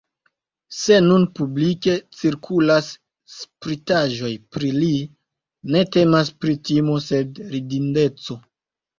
Se nun publike cirkulas spritaĵoj pri li, ne temas pri timo sed ridindeco.